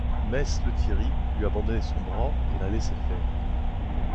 Mess Lethierry lui abandonnait son bras et la laissait faire.